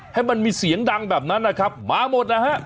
ให้มันมีเสียงดังแบบนั้นนะครับมาหมดนะฮะ